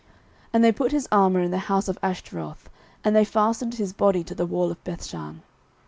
09:031:010 And they put his armour in the house of Ashtaroth: and they fastened his body to the wall of Bethshan.